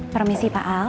permisi pak al